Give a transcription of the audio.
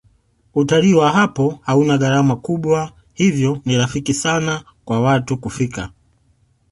utalii wa hapo hauna gharama kubwa hivyo ni rafiki sana kwa watu kufika